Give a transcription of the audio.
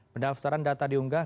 pendaftaran data diunggah